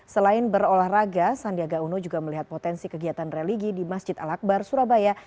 selain berolahraga sandiaga uno juga melihat potensi kegiatan religi di masjid al akbar surabaya